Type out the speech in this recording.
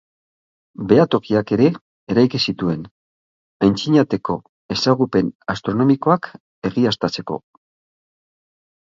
Behatokiak ere eraiki zituen, antzinateko ezagupen astronomikoak egiaztatzeko.